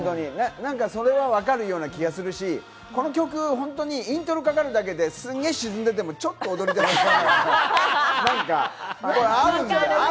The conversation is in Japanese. それはわかる気がするし、この曲、本当にイントロかかるだけで、すんげえ沈んでてもちょっと踊りたくなる。